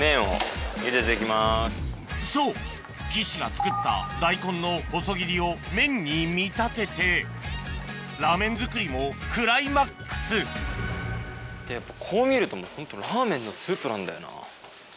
そう岸が作った大根の細切りを麺に見立ててラーメン作りもクライマックスやっぱ。